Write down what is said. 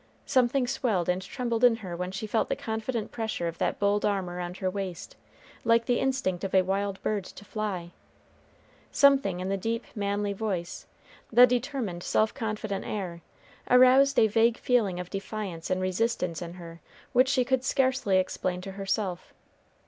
Something swelled and trembled in her when she felt the confident pressure of that bold arm around her waist, like the instinct of a wild bird to fly. Something in the deep, manly voice, the determined, self confident air, aroused a vague feeling of defiance and resistance in her which she could scarcely explain to herself.